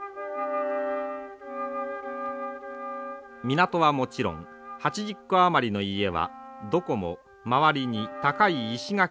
港はもちろん８０戸余りの家はどこも周りに高い石垣の塀を築いています。